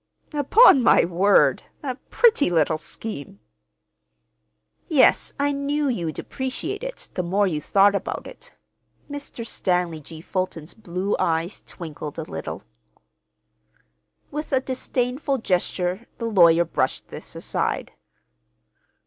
"Upon my word, a pretty little scheme!" "Yes, I knew you'd appreciate it, the more you thought about it." Mr. Stanley G. Fulton's blue eyes twinkled a little. With a disdainful gesture the lawyer brushed this aside.